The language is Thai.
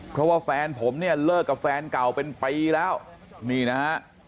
เพราะว่าแฟนผมเนี่ยเลิกกับแฟนเก่าเป็นปีแล้วนี่นะฮะ